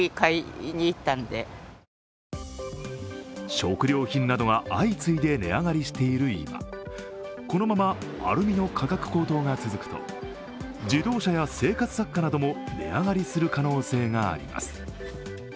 食料品などが相次いで値上がりしている今、このままアルミの価格高騰が続くと自動車や生活雑貨なども値上がりする可能性があります。